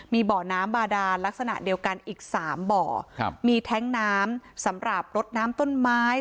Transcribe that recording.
มีบ่อน้ำบาดานลักษณะเดียวกันอีกสามบ่อครับมีแท้งน้ำสำหรับรถน้ำต้นไม้